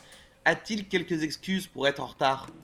A-t-il quelque excuse pour être en retard ?